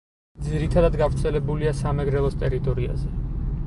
ძირითადად გავრცელებულია სამეგრელოს ტერიტორიაზე.